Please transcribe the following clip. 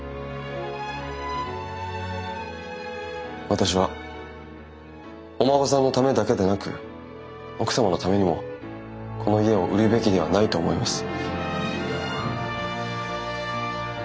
私はお孫さんのためだけでなく奥様のためにもこの家を売るべきではないと思います。